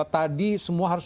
tadi semua harus